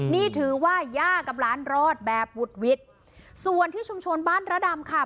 นี่ถือว่าย่ากับร้านรอดแบบวุดวิดส่วนที่ชุมชนบ้านระดำค่ะ